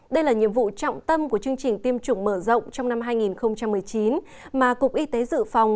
đây là nhiệm vụ trọng tâm của chương trình tiêm chủng mở rộng trong năm hai nghìn một mươi chín mà cục y tế dự phòng